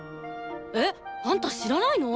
えっあんた知らないの！？